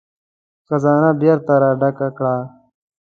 خزانه بېرته را ډکه کړه.